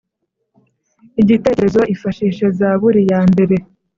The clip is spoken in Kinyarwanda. Igitekerezo Ifashishe Zaburi ya mbere